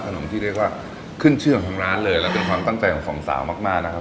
ที่เรียกว่าขึ้นชื่อของทางร้านเลยและเป็นความตั้งใจของสองสาวมากมากนะครับ